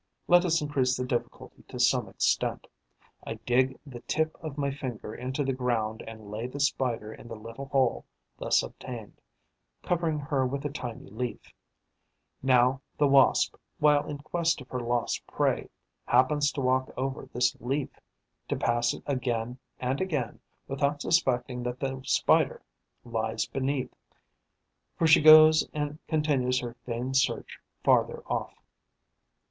Let us increase the difficulty to some extent. I dig the tip of my finger into the ground and lay the Spider in the little hole thus obtained, covering her with a tiny leaf. Now the Wasp, while in quest of her lost prey, happens to walk over this leaf, to pass it again and again without suspecting that the Spider lies beneath, for she goes and continues her vain search farther off.